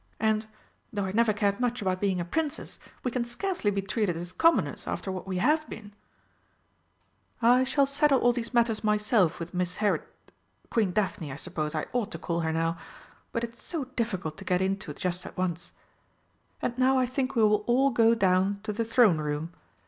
And, though I never cared much about being a Princess, we can scarcely be treated as commoners after what we have been." "I shall settle all these matters myself with Miss Herit Queen Daphne, I suppose I ought to call her, but it's so difficult to get into just at once. And now I think we will all go down to the Throne Room.